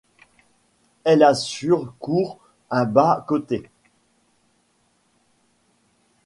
Elle a sur cour un bas côté.